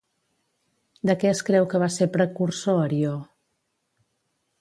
De què es creu que va ser precursor, Arió?